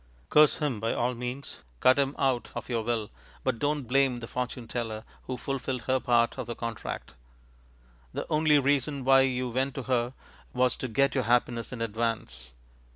Curse him by all means, cut him out of your will, but don't blame the fortune teller, who fulfilled her part of the contract. The only reason why you went to her was to get your happiness in advance.